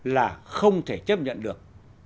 là không thể chấp nhận được